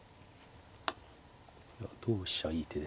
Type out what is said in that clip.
同飛車いい手ですね。